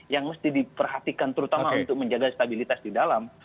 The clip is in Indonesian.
yang mesti diperhatikan terutama untuk menjaga stabilitas di dalam